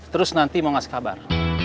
terus nanti mau ngasih kabar